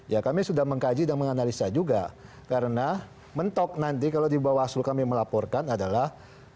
ya kami sudah mengkaji dan menganalisa juga karena mentok nanti kalau di bawah aslu kami melaporkan adalah